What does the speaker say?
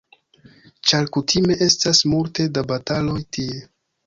Ĉar kutime estas multe da bataloj tie.